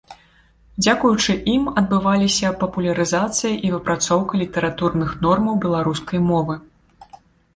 Дзякуючы ім адбываліся папулярызацыя і выпрацоўка літаратурных нормаў беларускай мовы.